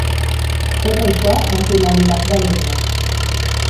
Tot això amb finalitats benignes.